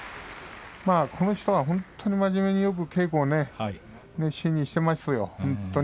この人は本当に真面目でよく稽古をやっています。